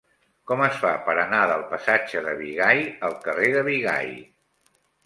Com es fa per anar del passatge de Bigai al carrer de Bigai?